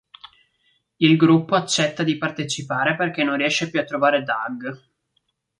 Il gruppo accetta di partecipare perché non riesce più a trovare Doug.